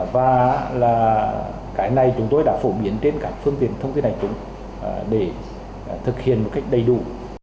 và cái này chúng tôi đã phổ biến trên các phương tiện thông tin đại chúng để thực hiện một cách đầy đủ